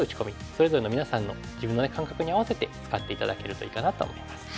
それぞれの皆さんの自分の感覚に合わせて使って頂けるといいかなと思います。